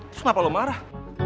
terus kenapa lo marah